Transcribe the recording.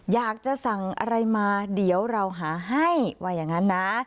อยากจะสั่งอะไรมาเดี๋ยวเราหาให้ว่าอย่างนั้นนะ